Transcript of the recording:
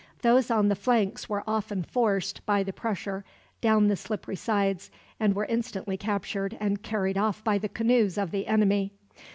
Those on the flanks were often forced, by the pressure, down the slippery sides; and were instantly captured and carried off by the canoes of the enemy.